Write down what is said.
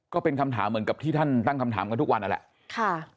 ก็เป็นคำถามเหมือนกับที่ท่านตั้งคำถามกันทุกวันนั่นแหละค่ะ